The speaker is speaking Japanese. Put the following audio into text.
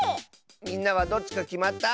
みんなはどっちかきまった？